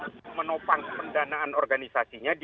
dan dia ji juga untuk menopang pendanaan organisasi yang tersebut